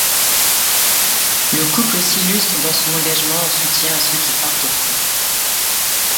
Le couple s'illustre dans son engagement en soutien à ceux qui partent au front.